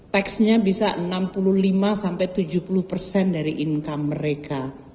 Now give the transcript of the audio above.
teksnya bisa enam puluh lima sampai tujuh puluh persen dari income mereka